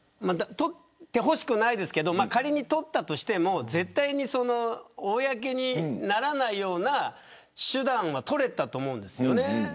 撮ってほしくないですけど仮に撮ったとしても絶対に公にならないような手段は取れたと思うんです。